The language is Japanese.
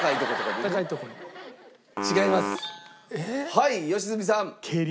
はい良純さん。